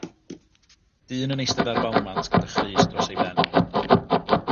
Dyn yn eistedd ar balmant gyda chrys dros ei ben.